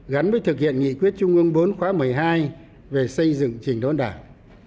gắn với thực hiện nghị quyết trung ương bốn khóa một mươi hai về xây dựng trình đốn đảng